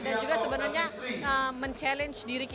dan juga sebenarnya mencabar diri